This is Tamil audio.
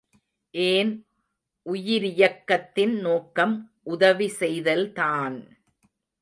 ஏன் உயிரியக்கத்தின் நோக்கம் உதவி செய்தல் தான்!